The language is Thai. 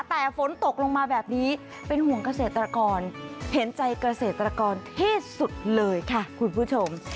แต่ฝนตกลงมาแบบนี้เป็นห่วงเกษตรกรเห็นใจเกษตรกรเทศสุดเลยค่ะคุณผู้ชม